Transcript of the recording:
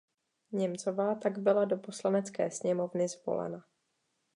Němcová tak byla do Poslanecké sněmovny zvolena.